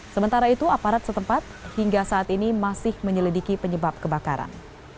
sementara itu aparat setempat hingga saat ini masih menyelidiki penyebab kebakaran